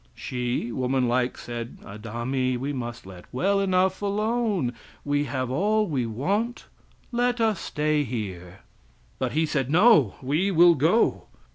She, woman like, said "Adami, we must let well enough alone; we have all we want; let us stay here." But he said: "No, we will go."